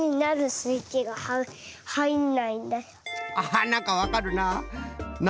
アハなんかわかるな。